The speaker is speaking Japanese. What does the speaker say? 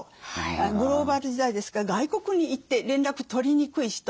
グローバル時代ですから外国に行って連絡取りにくい人。